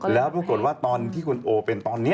แล้วปรากฏว่าตอนที่คุณโอเป็นตอนนี้